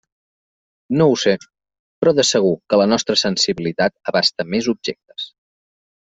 No ho sé; però de segur que la nostra sensibilitat abasta més objectes.